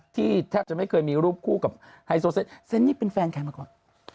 แทบจะไม่เคยมีรูปคู่กับไฮโซเซนเซ็นนี่เป็นแฟนใครมาก่อน